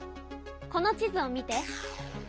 この地図を見て。